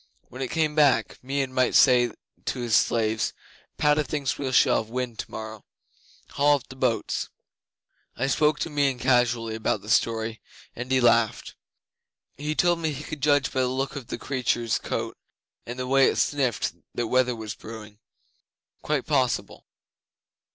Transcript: When it came back, Meon might say to his slaves, "Padda thinks we shall have wind tomorrow. Haul up the boats!" I spoke to Meon casually about the story, and he laughed. 'He told me he could judge by the look of the creature's coat and the way it sniffed what weather was brewing. Quite possible.